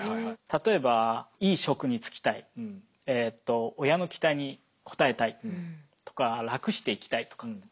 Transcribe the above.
例えばいい職に就きたい親の期待に応えたいとか楽して生きたいとか。